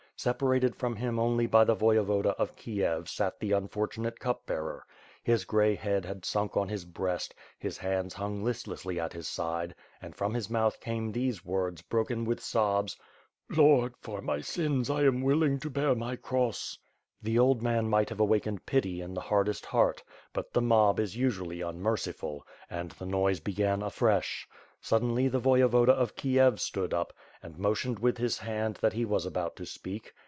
Separated from him only by the Voyevoda of Kiev sat the unfortunate Cup Bearer. His gray head had sunk on his breast, his hands hung list lessly at his side and, from his mouth came these words, broken with sobs: "Lord! for my sins I am willing to bear my cross." The old man might have awakened pity in the hardest heart; but the mob is usually unmerciful; and the noise began afresh. Suddenly the Voyevoda of Kiev stood up, and mo tioned with his hand that he was about to speak.